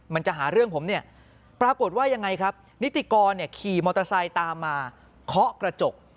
มันจะหาเรื่องผมเนี่ยปรากฏว่ายังไงครับนิติกรขี่มอเตอร์ไซค์ตามมาเคาะกระจก